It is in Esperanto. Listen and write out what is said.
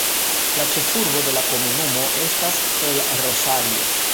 La ĉefurbo de la komunumo estas El Rosario.